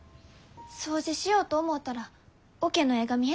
掃除しようと思うたら桶の絵が見えたき。